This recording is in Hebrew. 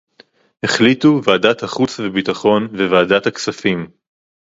החליטו ועדת החוץ וביטחון וועדת הכספים